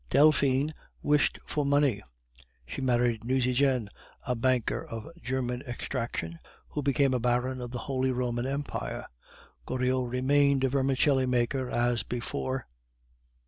Delphine wished for money; she married Nucingen, a banker of German extraction, who became a Baron of the Holy Roman Empire. Goriot remained a vermicelli maker as before.